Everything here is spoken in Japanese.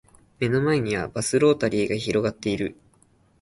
目の前にはバスロータリーが広がっている